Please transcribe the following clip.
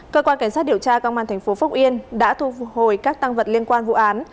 cơ quan cảnh sát điều tra công an thành phố phúc yên đã thu hồi các tăng vật liên quan vụ án